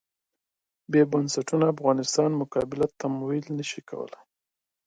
بې بنسټونو افغانستان مقابله تمویل نه شي کولای.